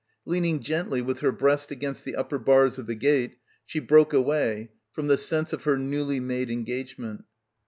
Leaning gently with her breast against the upper bars of the gate she broke away from the sense of her newly made engagement.